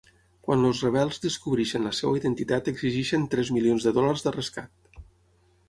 Quan els rebels descobreixen la seva identitat exigeixen tres milions de dòlars de rescat.